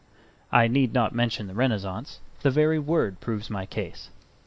I need not mention the Renaissance, the very word proves my case.